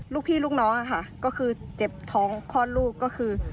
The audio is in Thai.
ลูกพี่ลูกน้องค่ะก็คือเจ็บท้องคลอดลูกก็คือ